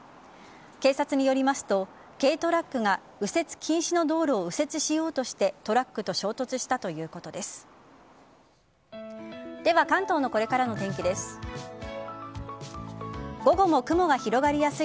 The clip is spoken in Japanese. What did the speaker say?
警察によりますと軽トラックが右折禁止の道路を右折しようとしてトラックと衝突したということです。